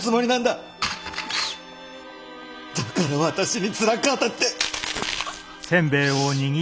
だから私につらくあたって。